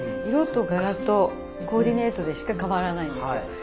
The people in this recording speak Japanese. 色と柄とコーディネートでしか変わらないんですよ。